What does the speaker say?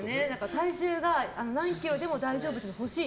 体重が何キロでも大丈夫なのが欲しい。